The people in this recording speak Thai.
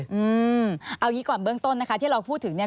เอางี้ก่อนเบื้องต้นนะคะที่เราพูดถึงเนี่ย